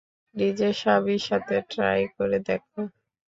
নিজের স্বামীর সাথে ট্রাই করে দেখো।